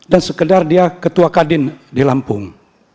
dan sekedar dia ketua kadin di lampung